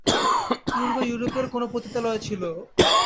পূর্ব ইউরোপের কোনো পতিতালয়ে ছিল ও।